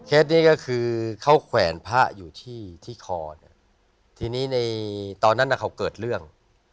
นี้ก็คือเขาแขวนพระอยู่ที่ที่คอเนี่ยทีนี้ในตอนนั้นเขาเกิดเรื่อง